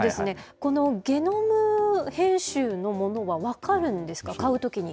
このゲノム編集のものは分かるんですか、買うときに。